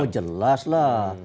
oh jelas lah